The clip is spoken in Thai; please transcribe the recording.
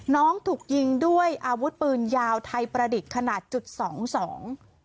น้องถูกยิงด้วยอาวุธปืนยาวไทยประดิษฐ์ขนาดจุดสองสอง